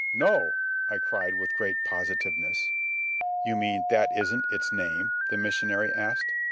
"No!" I cried with great positiveness. "You mean that isn't its name?" the missionary asked.